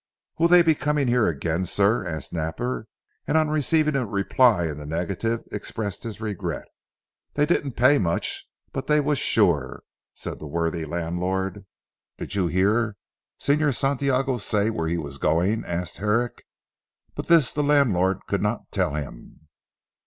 "Will they be coming here again sir?" asked Napper, and on receiving a reply in the negative expressed his regret. "They didn't pay much, but they was sure," said the worthy landlord. "Did you hear Señor Santiago say where he was going?" asked Herrick. But this the landlord could not tell him.